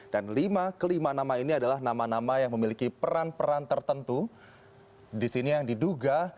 dan lima ke lima nama ini adalah nama nama yang memiliki peran peran tertentu disini yang diduga